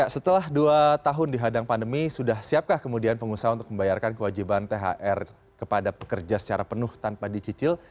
setelah dua tahun dihadang pandemi sudah siapkah kemudian pengusaha untuk membayarkan kewajiban thr kepada pekerja secara penuh tanpa dicicil